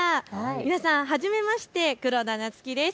皆さんはじめまして、黒田菜月です。